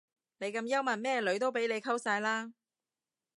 你咁幽默咩女都俾你溝晒啦